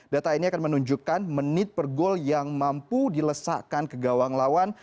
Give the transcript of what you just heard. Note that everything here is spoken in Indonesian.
data ini akan menunjukkan menit per gol yang mampu dilesakan ke gawang lawan